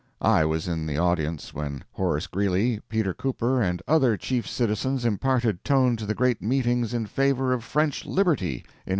I was in the audience when Horace Greeley, Peter Cooper, and other chief citizens imparted tone to the great meetings in favor of French liberty, in 1848.